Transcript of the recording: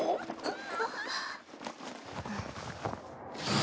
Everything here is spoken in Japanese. あっ！